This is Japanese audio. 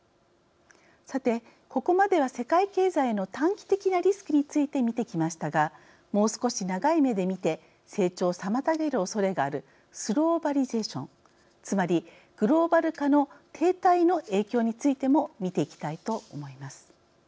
さて、ここまでは世界経済への短期的なリスクについて見てきましたがもう少し長い目で見て成長を妨げるおそれがあるスローバリゼーションつまりグローバル化の停滞の影響についても見ていきたいと思います。